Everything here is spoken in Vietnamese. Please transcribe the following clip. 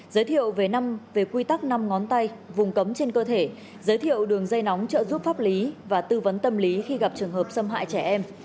giới thiệu về quy tắc năm ngón tay vùng cấm trên cơ thể giới thiệu đường dây nóng trợ giúp pháp lý và tư vấn tâm lý khi gặp trường hợp xâm hại trẻ em